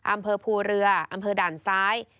อำเภอภูเรืออำเภอด่านซ้าย